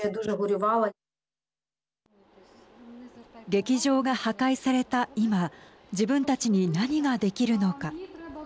劇場が破壊された今自分たちに何ができるのか。